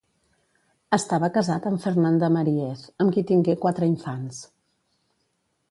Estava casat amb Fernanda Maríez, amb qui tingué quatre infants.